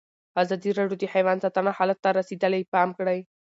ازادي راډیو د حیوان ساتنه حالت ته رسېدلي پام کړی.